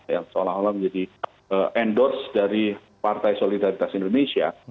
yang seolah olah menjadi endorse dari partai solidaritas indonesia